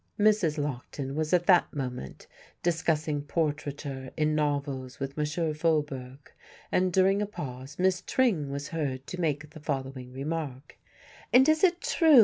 Mrs. Lockton was at that moment discussing portraiture in novels with M. Faubourg, and during a pause Miss Tring was heard to make the following remark: "And is it true M.